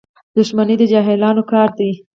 • دښمني د جاهلانو کار دی.